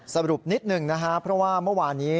สรุปนิดหนึ่งเพราะว่าเมื่อวานี้